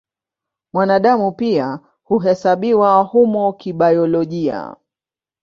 Mwanadamu pia huhesabiwa humo kibiolojia.